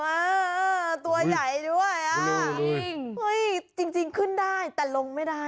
มาตัวใหญ่ด้วยอ่ะจริงขึ้นได้แต่ลงไม่ได้โอ้โห